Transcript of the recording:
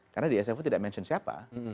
karena di sfo tidak mention siapa